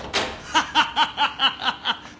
ハハハハ！